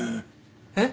えっ？